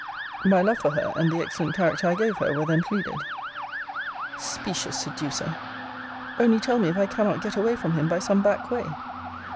My love for her, and the excellent character I gave her, were then pleaded. Cl. Specious seducer! Only tell me if I cannot get away from him by some back way?